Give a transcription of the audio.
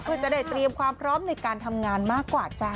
เพื่อจะได้เตรียมความพร้อมในการทำงานมากกว่าจ้า